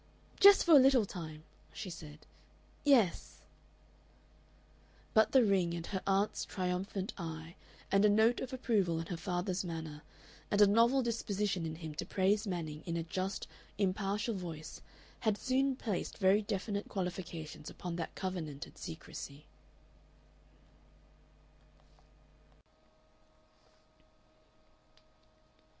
"Just for a little time," she said; "yes...." But the ring, and her aunt's triumphant eye, and a note of approval in her father's manner, and a novel disposition in him to praise Manning in a just, impartial voice had soon placed very definite qualifications upon that covenanted secrecy.